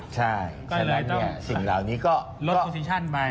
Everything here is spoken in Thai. ใช่ฉะนั้นสิ่งเหล่านี้ก็